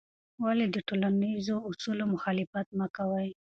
ولې د ټولنیزو اصولو مخالفت مه کوې؟